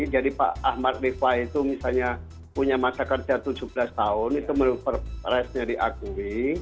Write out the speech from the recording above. jadi pak ahmad rifai itu misalnya punya masa kerja tujuh belas tahun itu menurut perpresnya diakui